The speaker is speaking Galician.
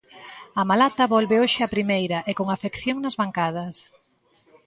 A Malata volve hoxe a Primeira e con afección nas bancadas.